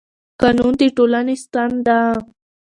قانون د ټولنې ستن ده